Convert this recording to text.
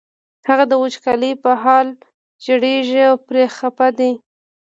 هغه د وچکالۍ په حال ژړېږي او پرې خپه دی.